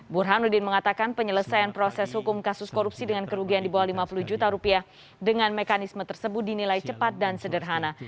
burhanuddin mengatakan penyelesaian proses hukum kasus korupsi dengan kerugian di bawah lima puluh juta rupiah dengan mekanisme tersebut dinilai cepat dan sederhana